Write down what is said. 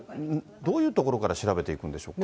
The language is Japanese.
どういうところから調べていくんでしょうか。